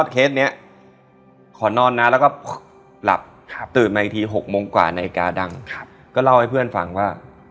เขาก็ทักขึ้นมาเลยยังไม่ได้เล่าเลยนะฮะ